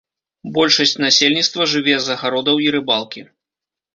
Большасць насельніцтва жыве з агародаў і рыбалкі.